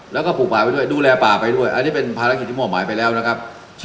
แล้วก็ปลูกป่าไปด้วยดูแลป่าไปด้วยอันนี้เป็นภารกิจที่มอบหมายไปแล้วนะครับ